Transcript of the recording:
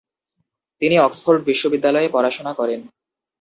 তিনি অক্সফোর্ড বিশ্ববিদ্যালয়ে পড়াশোনা করেন।